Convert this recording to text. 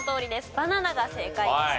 バナナが正解でした。